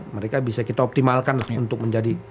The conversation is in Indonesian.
mereka bisa kita optimalkan untuk menjadi